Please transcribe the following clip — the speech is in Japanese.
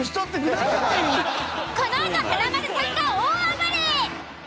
このあと華丸さんが大暴れ。